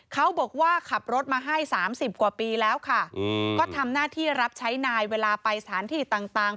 เขาบอกว่าขับรถมาให้๓๐กว่าปีแล้วค่ะก็ทำหน้าที่รับใช้นายเวลาไปสถานที่ต่าง